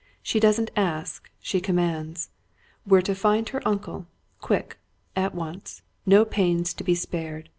"She doesn't ask she commands! We're to find her uncle quick. At once. No pains to be spared.